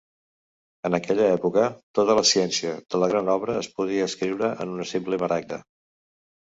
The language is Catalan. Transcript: En aquella època, tota la ciència de la Gran Obra es podia escriure en una simple maragda.